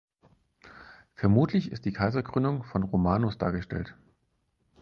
Vermutlich ist die Kaiserkrönung von Romanos dargestellt.